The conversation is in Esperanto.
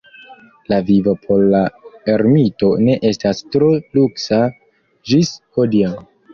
La vivo por la ermito ne estas tro luksa ĝis hodiaŭ.